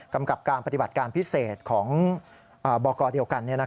กับการปฏิบัติการพิเศษของบกเดียวกัน